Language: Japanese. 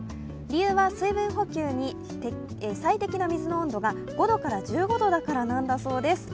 理由は、水分補給に最適な水の温度が５度から１５度だからだそうです。